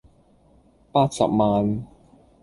八十萬